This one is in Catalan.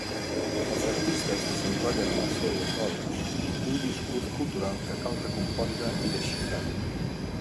Els artistes desenrotllen en les seues obres un discurs cultural que cal recompondre i desxifrar.